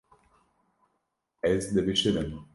Ez dibişirim.